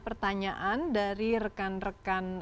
pertanyaan dari rekan rekan